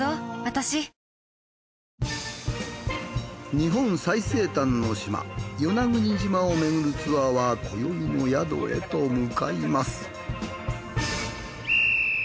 日本最西端の島与那国島をめぐるツアーは今宵の宿へと向かいます。